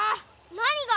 何が？